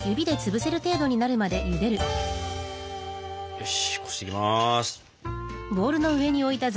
よしこしていきます。